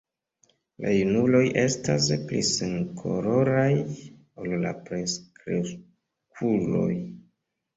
La junuloj estas pli senkoloraj ol la plenkreskuloj.